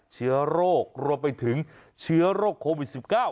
เชื้อโรครวมไปถึงเชื้อโรคโควิด๑๙